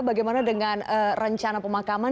bagaimana dengan rencana pemakaman